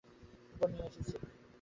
উপহার নিয়ে এসেছি সাথে।